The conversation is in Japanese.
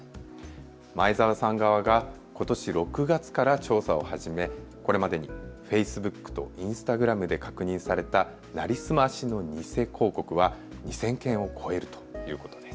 前澤さん側がことし６月から調査を始め、これまでにフェイスブックとインスタグラムで確認された成り済ましの偽広告は２０００件を超えるということです。